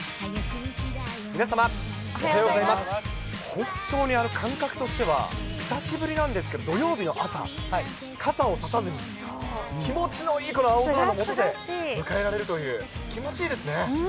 本当に感覚としては、久しぶりなんですけど、土曜日の朝、傘を差さずに、気持ちのいいこの青空の下で迎えられるという、気持ちいいですね。